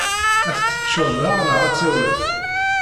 Ad t-teččeḍ da neɣ ad t-awiḍ?